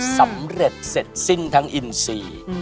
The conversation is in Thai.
สำเร็จเสร็จสิ้นทั้งอินซี